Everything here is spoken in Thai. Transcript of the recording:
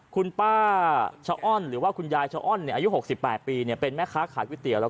คุณป้าหนุ่อยชะอ้อนได้